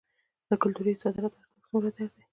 د کلتوري صادراتو ارزښت څومره دی؟